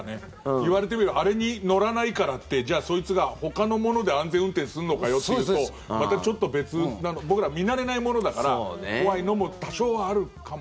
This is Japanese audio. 言われてみればあれに乗らないからってじゃあ、そいつがほかのもので安全運転すんのかよというとまたちょっと別僕ら見慣れないものだから怖いのも多少あるかも。